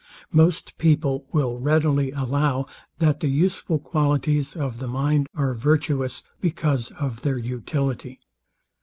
Most people will readily allow, that the useful qualities of the mind are virtuous, because of their utility.